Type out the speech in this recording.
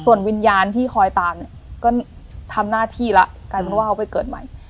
ส่วนวิญญาณที่คอยตามเนี่ยก็ทำหน้าที่แล้วกลายเป็นว่าเขาไปเกิดใหม่